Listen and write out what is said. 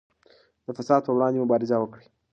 د فساد پر وړاندې مبارزه وکړئ.